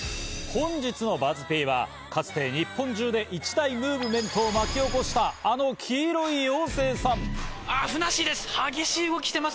本日のＢＵＺＺ−Ｐはかつて日本中で一大ムーブメントを巻き起こしたあの黄色い妖精さん。